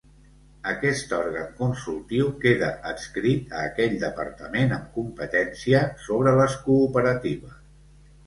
Aquest òrgan consultiu queda adscrit a aquell departament amb competència sobre les cooperatives.